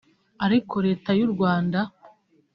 ariko Leta y’u Rwanda